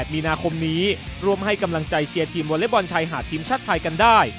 มีนาคมนี้ร่วมให้กำลังใจเชียร์ทีมวอเล็กบอลชายหาดทีมชาติไทยกันได้